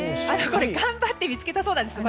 頑張って見つけたそうなんです。